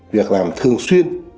việc làm thường xuyên